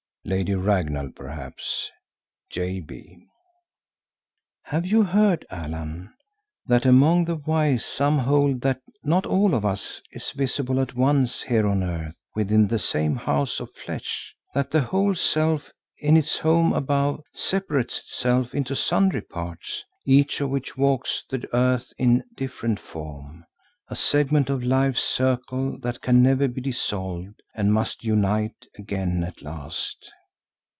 [Lady Ragnall perhaps?—JB] "Have you heard, Allan, that among the wise some hold that not all of us is visible at once here on earth within the same house of flesh; that the whole self in its home above, separates itself into sundry parts, each of which walks the earth in different form, a segment of life's circle that can never be dissolved and must unite again at last?"